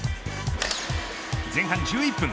前半１１分。